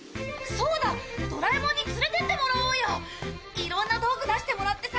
いろんな道具出してもらってさ